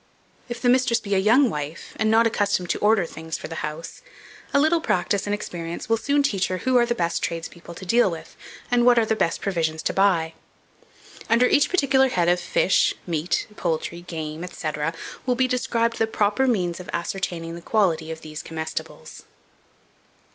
If the mistress be a young wife, and not accustomed to order "things for the house," a little practice and experience will soon teach her who are the best tradespeople to deal with, and what are the best provisions to buy. Under each particular head of FISH, MEAT, POULTRY, GAME, &c., will be described the proper means of ascertaining the quality of these comestibles.